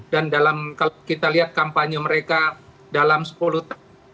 dan dalam kalau kita lihat kampanye mereka dalam sepuluh tahun